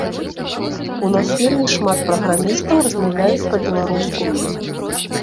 У нас вельмі шмат праграмістаў размаўляюць па-беларуску.